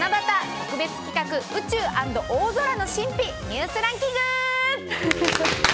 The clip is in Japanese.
特別企画宇宙＆大空の神秘ニュースランキング！